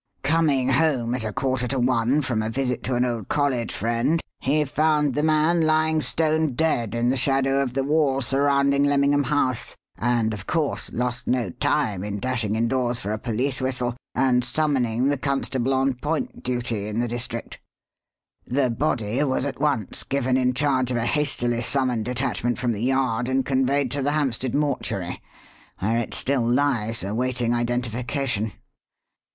Coming home at a quarter to one from a visit to an old college friend, he found the man lying stone dead in the shadow of the wall surrounding Lemmingham House, and, of course, lost no time in dashing indoors for a police whistle and summoning the constable on point duty in the district. The body was at once given in charge of a hastily summoned detachment from the Yard and conveyed to the Hampstead mortuary, where it still lies awaiting identification."